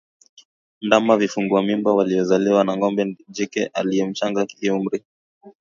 Ndama vifungua mimba waliozaliwa na ng'ombe jike aliye mchanga kiumri